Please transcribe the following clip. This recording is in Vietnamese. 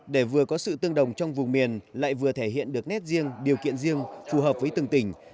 để vừa có sự tương đồng trong vùng miền lại vừa thể hiện được nét riêng điều kiện riêng phù hợp với từng tỉnh